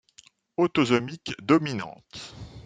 Autosomique dominante.